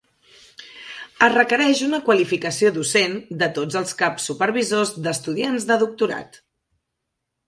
Es requereix una qualificació docent de tots els caps supervisors d'estudiants de doctorat.